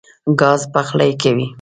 ګاز پخلی کوي.